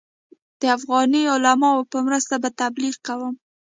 د افغاني عالمانو په مرسته به تبلیغ کوم.